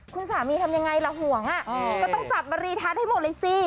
คุณสามีทำยังไงล่ะห่วงก็ต้องจับมารีทัศน์ให้หมดเลยสิ